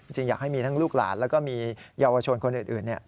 จริงอยากให้มีทั้งลูกหลานแล้วก็มีเยาวชนคนอื่น